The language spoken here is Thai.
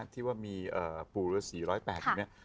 ที่ว่ามีปู่ฤษีร้อยแปดอย่างนี้